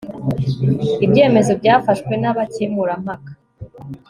ibyemezo byafashwe n abakemurampaka